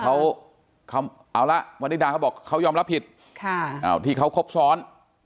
เขาเอาละมณิดาเขาบอกเขายอมรับผิดที่เขาครบซ้อน